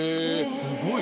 すごい。